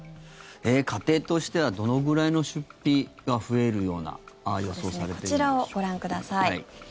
家庭としてはどのくらいの出費が増えるようなこちらをご覧ください。